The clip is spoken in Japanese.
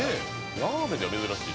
ラーメンでは珍しい。